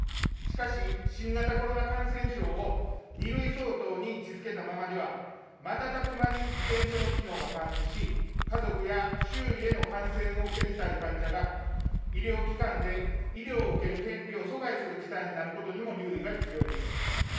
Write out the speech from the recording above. しかし、新型コロナ感染症を２類相当に位置づけたままでは瞬く間に保健所の機能がパンクし、家族や周囲への感染を防ぎたい患者が、医療機関で医療を受ける権利を阻害する事態になることにも留意が必要です。